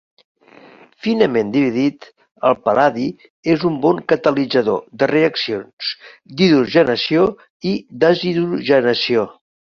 Finament dividit, el pal·ladi és un bon catalitzador de reaccions d'hidrogenació i deshidrogenació.